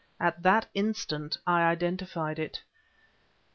At that instant I identified it.